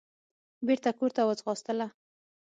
بېرته کورته وځغاستله.